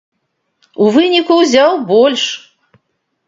У выніку ўзяў больш!